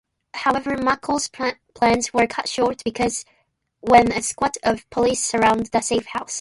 However, McCall's plans are cut short when a squad of police surround the safehouse.